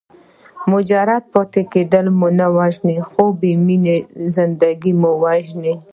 مجرد پاتې کېدل مو نه وژني خو بې مینې زندګي مو وژني.